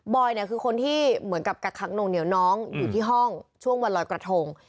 อยเนี่ยคือคนที่เหมือนกับกักขังหน่งเหนียวน้องอยู่ที่ห้องช่วงวันลอยกระทง